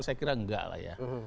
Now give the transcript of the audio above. saya kira enggak lah ya